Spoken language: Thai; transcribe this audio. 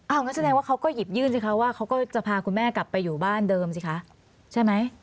งั้นแสดงว่าเขาก็หยิบยื่นสิคะว่าเขาก็จะพาคุณแม่กลับไปอยู่บ้านเดิมสิคะใช่ไหม